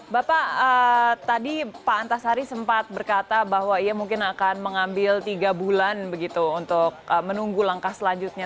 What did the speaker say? bapak tadi pak antasari sempat berkata bahwa ia mungkin akan mengambil tiga bulan begitu untuk menunggu langkah selanjutnya